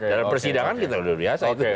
dalam persidangan kita luar biasa